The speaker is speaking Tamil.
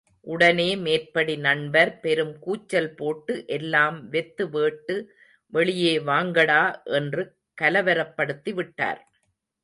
உடனே மேற்படி நண்பர் பெரும் கூச்சல் போட்டு எல்லாம் வெத்து வேட்டு வெளியே வாங்கடா என்று கலவரப்படுத்தி விட்டார்.